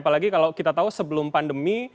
apalagi kalau kita tahu sebelum pandemi